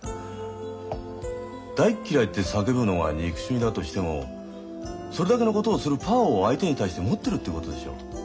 大っ嫌いって叫ぶのが憎しみだとしてもそれだけのことをするパワーを相手に対して持ってるってことでしょう。